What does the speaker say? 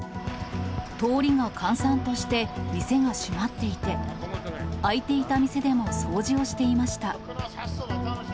通りが閑散として、店が閉まっていて、開いていた店でも掃除をしていました。